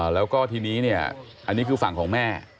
แล้วก็ทีนี้เนี่ยอันนี้คือฝั่งของแม่